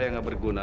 yang tidak berguna